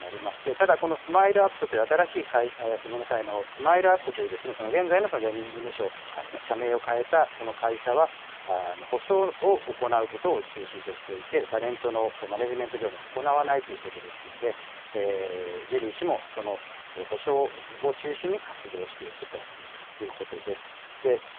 ただこのＳＭＩＬＥーＵＰ．という新しい、ごめんなさい、ＳＭＩＬＥーＵＰ．という現在のジャニーズ事務所の社名を変えたこの会社は、補償を行うことを中心としていて、タレントのマネジメント業務を行わないということですので、ジュリー氏もその補償を中心に活動していくということです。